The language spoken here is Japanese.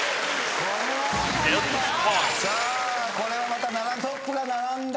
さあこれはまたトップが並んだ。